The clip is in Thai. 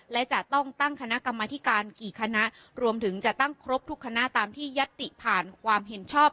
และจะต้องตั้งคณะกรรมธิการกี่คณะรวมถึงจะตั้งครบทุกคณะตามที่ยัตติผ่านความเห็นชอบ